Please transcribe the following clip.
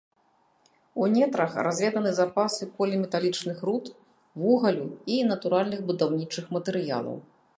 У нетрах разведаны запасы поліметалічных руд, вугалю і натуральных будаўнічых матэрыялаў.